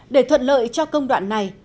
để thuận lợi cho công đoạn này